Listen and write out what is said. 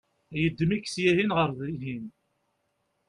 yeddem-ik syihen ɣer dihin